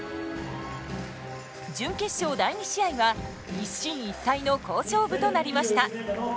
準決勝第２試合は一進一退の好勝負となりました。